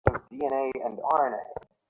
ভুলটা আসলে আমার লালন-পালনে।